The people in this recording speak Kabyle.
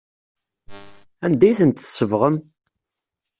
Anda ay tent-tsebɣem?